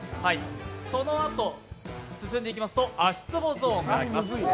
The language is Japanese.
そのあと進んでいきますと足つぼゾーンがあります。